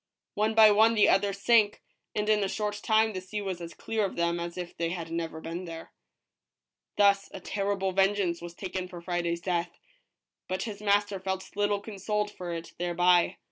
One by one the others sank, and in a short time the sea was as clear of them as if they had never been there. Thus a terrible vengeance was taken for Friday's death, but his master felt little consoled for it thereby.